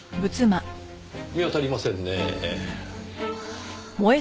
見当たりませんねぇ。